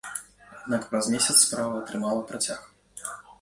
Аднак праз месяц справа атрымала працяг.